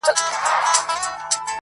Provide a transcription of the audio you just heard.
سردونو ویښ نه کړای سو.